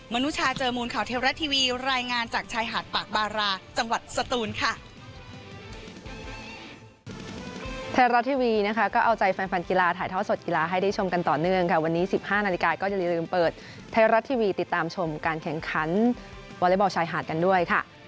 นุชาเจอมูลข่าวเทวรัฐทีวีรายงานจากชายหาดปากบาราจังหวัดสตูนค่ะ